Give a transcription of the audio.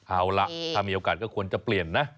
เอาล่ะถ้ามีโอกาสก็ควรจะเปลี่ยนนะ